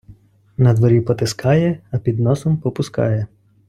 Надворі потискає, а під носом попускає.